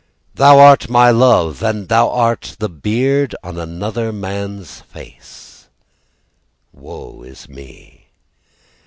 Thou art my love, And thou art the beard On another man's face Woe is me.